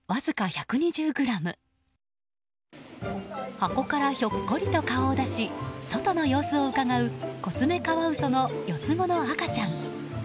箱からひょっこりと顔を出し外の様子をうかがうコツメカワウソの４つ子の赤ちゃん。